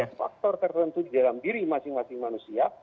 ada faktor tertentu di dalam diri masing masing manusia